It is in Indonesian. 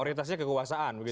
orientasinya kekuasaan begitu